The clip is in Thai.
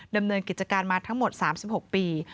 ดำเนินกิจการมาทั้งหมด๓๖ปี